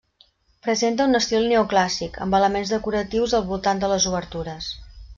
Presenta un estil neoclàssic, amb elements decoratius al voltant de les obertures.